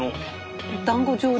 だんご状に。